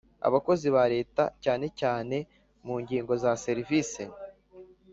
abakozi ba leta cyane cyane mu ngingo za serivisi